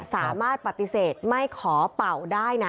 สามารถปฏิเสธไม่ขอเป่าได้นะ